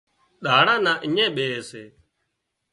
ۮاڙا نا اڃين ٻيهي سي